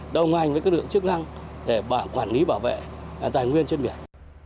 đồng hành với các lực lượng chức năng để quản lý bảo vệ tài nguyên trên biển